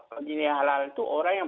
pemilih halal itu orang yang